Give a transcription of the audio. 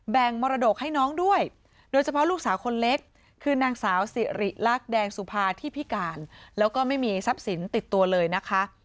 มรดกให้น้องด้วยโดยเฉพาะลูกสาวคนเล็กคือนางสาวสิริลักษณ์แดงสุภาที่พิการแล้วก็ไม่มีทรัพย์สินติดตัวเลยนะคะ